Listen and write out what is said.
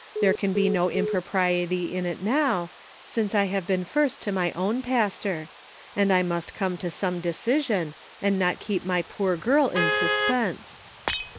There can be no impropriety in it now, since I have been first to my own pastor ; CONFLICTING ADVICE, 201 and I must come to some decision, and not keep my poor girl in suspense."